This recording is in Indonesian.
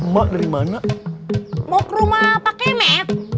mau ke rumah pak kemet